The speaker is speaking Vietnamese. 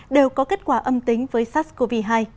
đều có kết quả âm tính với sars cov hai